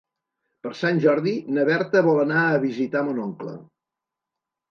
Per Sant Jordi na Berta vol anar a visitar mon oncle.